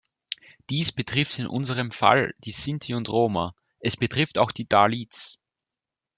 Dies betrifft in unserem Fall die Sinti und Roma, es betrifft auch die Dalits.